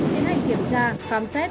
đến hành kiểm tra phám xét